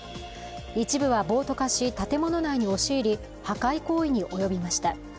一部は暴徒化し建物内に押し入り、破壊行為に及びました。